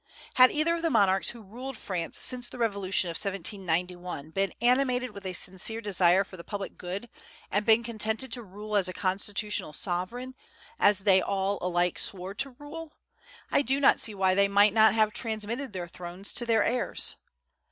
Had either of the monarchs who ruled France since the Revolution of 1791 been animated with a sincere desire for the public good, and been contented to rule as a constitutional sovereign, as they all alike swore to rule, I do not see why they might not have transmitted their thrones to their heirs.